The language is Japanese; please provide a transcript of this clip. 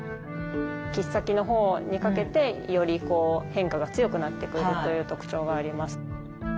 切っ先のほうにかけてよりこう変化が強くなってくるという特徴があります。